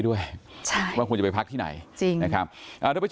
ด้วยใช่ว่าควรจะไปพักที่ไหนจริงนะครับอ่าเดี๋ยวไป